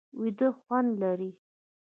ویده خوند لري